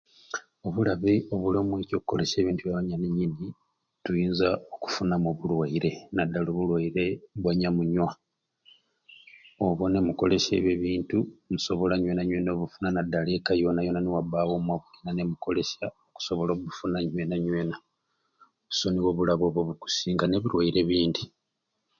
Obulabe obuli omwekyo okkolesya ebintu bya bwananyini tuyinza okufunamu obulwaire naddala obulwaire bwa nyamunywa oba nimukolesya ebyo ebintu musobola nywena nywena okubufuna naddala eka yoona yoona niwabaawo omwe abulina bakkolesya mukusobola okubufuna nywena nywena so nibwo obulabe obwo obukusinga n'ebirwaire ebindi.